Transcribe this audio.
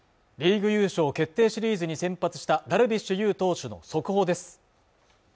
リーグ優勝決定シリーズに先発したダルビッシュ有投手の速報です